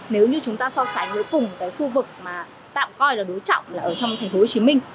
nếu như chúng ta so sánh với cùng cái khu vực mà tạm coi là đối trọng là ở trong thành phố hồ chí minh